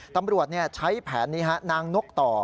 ตำรวจใช้แผนนี้นางนกต่อ